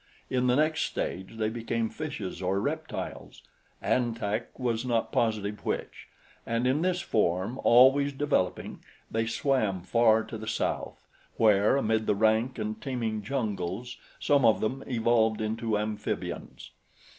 In the next stage they became fishes or reptiles, An Tak was not positive which, and in this form, always developing, they swam far to the south, where, amid the rank and teeming jungles, some of them evolved into amphibians.